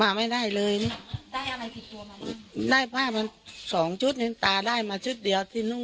มาไม่ได้เลยนี่ได้อะไรผิดตัวมาแล้วได้ผ้ามาสองชุดนึงตาได้มาชุดเดียวที่นุ่งแล้วเลย